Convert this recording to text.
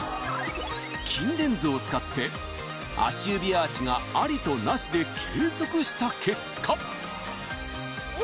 筋電図を使って足指アーチがありとなしで計測した結果お！